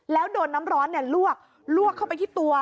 แล้วโดนน้ำร้อนลวกลวกเข้าไปที่ตัว